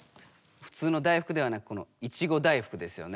ふつうの大福ではなくこのいちご大福ですよね。